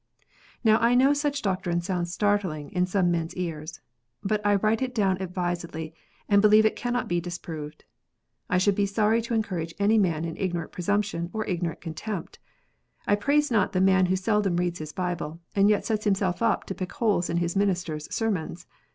Now I know such doctrine sounds startling in some men s ears. But I write it down advisedly, and believe it cannot be disproved. I should be sorry to encourage any man in ignorant presumption or ignorant contempt. I praise not the man who seldom reads his Bible, and yet sets himself up to pick holes in his minister s sermons.